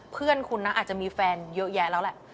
เพื่อนคุณนะอาจจะมีแฟนเยอะแยะแล้วแหละ